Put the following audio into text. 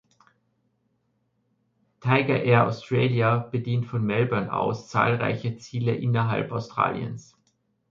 Tigerair Australia bedient von Melbourne aus zahlreiche Ziele innerhalb Australiens.